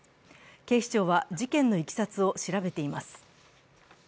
警視庁は事件のいきさつを調べています。